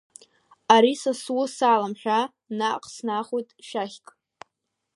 Ари са сус алам ҳәа, наҟ снахоит шәақьк.